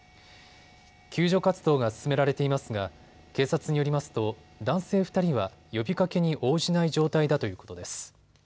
救助活動が進められていますが警察によりますと男性２人は呼びかけに応じない状態だということです。